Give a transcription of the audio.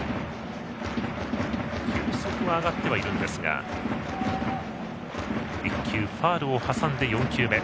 球速は上がっていますが１球、ファウルを挟んで４球目。